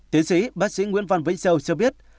tiến sĩ bác sĩ nguyễn văn vĩnh châu cho biết